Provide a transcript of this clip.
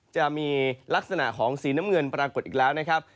จะมีลักษณะของสีน้ำเงินปรากฏอีกแล้วนะครับ